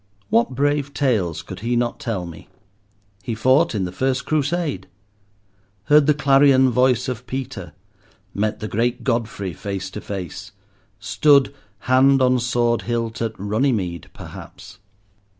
What brave tales could he not tell me. He fought in the first Crusade, heard the clarion voice of Peter, met the great Godfrey face to face, stood, hand on sword hilt, at Runny mede, perhaps.